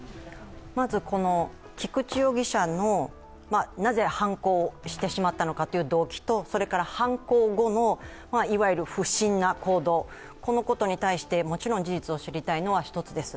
この菊池容疑者のなぜ犯行してしまったのかという動機と犯行後の不審な行動、このことに対してもちろん事実を知りたいのは一つです。